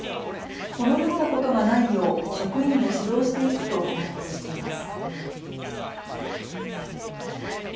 このようなことがないよう職員を指導していくとコメントしています。